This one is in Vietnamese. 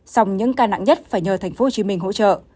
song những ca nặng nhất phải nhờ tp hcm hỗ trợ